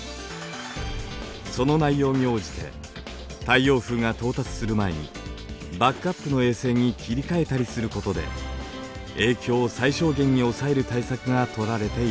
その内容に応じて太陽風が到達する前にバックアップの衛星に切り替えたりすることで影響を最小限に抑える対策がとられています。